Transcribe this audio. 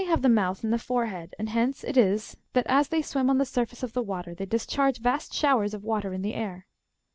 BalaensB have the mouth" in the forehead ; and hence it is that, as they swim on the surface of the water, they discharge Tast showers of water in the aii\ (7.)